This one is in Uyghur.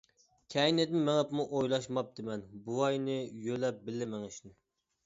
كەينىدىن مېڭىپمۇ ئويلاشماپتىمەن، بوۋاينى يۆلەپ بىللە مېڭىشنى.